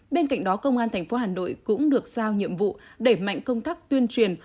bên cạnh đó công an thành phố hà nội cũng được giao nhiệm vụ để mạnh công tác tuyên truyền